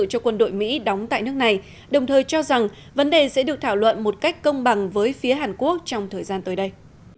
cho quân đội mỹ đóng tại nước này đồng thời cho rằng vấn đề sẽ được thảo luận một cách công bằng với phía hàn quốc trong thời gian tới đây